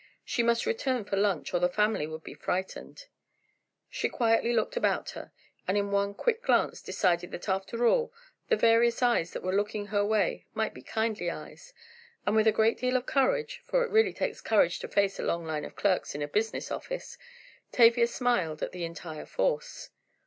She must return for lunch, or the family would be frightened. She quietly looked about her, and in one quick glance decided that after all, the various eyes that were looking her way, might be kindly eyes, and with a great deal of courage, for it really takes courage to face a long line of clerks in a business office, Tavia smiled at the entire force.